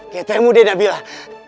ketemu deh nabilah